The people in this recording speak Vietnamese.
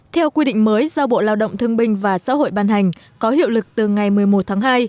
theo quy định mới do bộ lợi đồng thương minh và xã hội ban hành có hiệu lực từ ngày một mươi một tháng hai